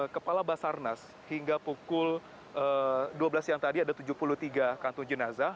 kepala basarnas hingga pukul dua belas siang tadi ada tujuh puluh tiga kantung jenazah